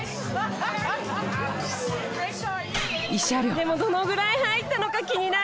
でもどのぐらい入ったのか気になる。